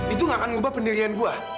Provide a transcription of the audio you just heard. itu gak akan ngubah pendirian gue